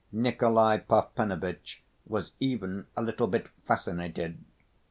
Nikolay Parfenovitch was even a little bit "fascinated."